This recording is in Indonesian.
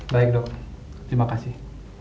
baik dok terima kasih